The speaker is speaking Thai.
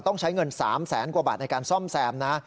ต้องใช้เงิน๓แสนกว่าบาทในการซ่อมแซมนะ